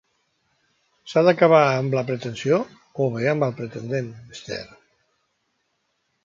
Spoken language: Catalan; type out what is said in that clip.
S'ha d'acabar amb la pretensió, o bé amb el pretendent, Esther.